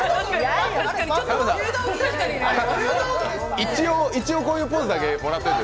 一応こういポーズだけもらっておいて。